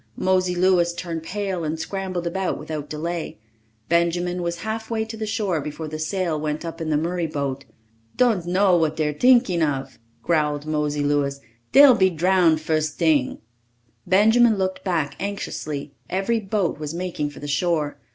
Mosey Louis turned pale and scrambled about without delay. Benjamin was halfway to the shore before the sail went up in the Murray boat. "Don' know what dey're tinkin' of," growled Mosey Louis. "Dey'll be drown fust ting!" Benjamin looked back anxiously. Every boat was making for the shore.